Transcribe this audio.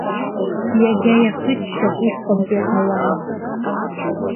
Иагьа иаххыччап усҟантәи ауаа.